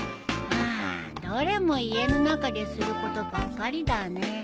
うんどれも家の中ですることばっかりだね。